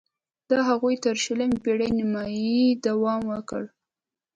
دا هڅو تر شلمې پېړۍ نیمايي دوام وکړ